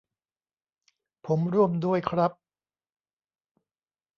ผมร่วมด้วยครับ